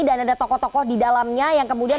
ada tokoh tokoh di dalamnya yang kemudian